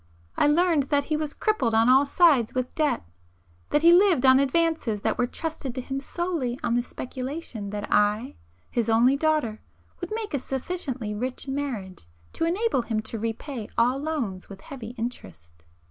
I learned that he was crippled on all sides with debt,—that he lived on advances made to him by Jew usurers,—and that these [p 404] advances were trusted to him solely on the speculation that I, his only daughter, would make a sufficiently rich marriage to enable him to repay all loans with heavy interest.